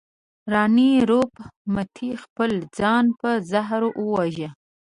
راني روپ متي خپل ځان په زهر وواژه.